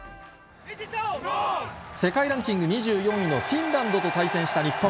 世界ランキング２４位のフィンランドと対戦した日本。